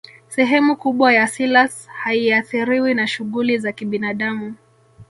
sehemu kubwa ya selous haiathiriwi na shughuli za kibinadamu